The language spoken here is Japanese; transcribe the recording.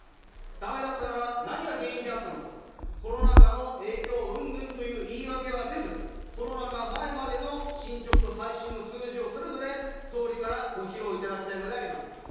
だめだったなら、何が原因であったのか、コロナ禍の影響うんぬんという言い訳はせず、コロナ禍前までの進捗と最新の数字をそれぞれ総理からご披露いただきたいのであります。